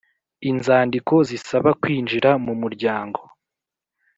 Inzandiko zisaba kwinjira mu umuryango